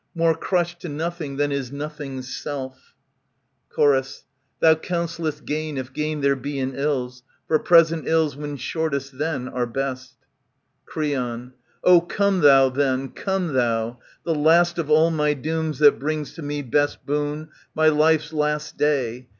More crushed to nothing than is nothing's self Chor. Thou counsellest gain, if gain there be in ills, For present ills when shortest then are best, ' Creon, Oh, come thou then, come thou. The last of all my dooms, that brings to me ^^^ Best boon, my life's last day.